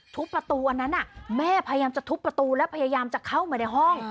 ประตูอันนั้นแม่พยายามจะทุบประตูและพยายามจะเข้ามาในห้อง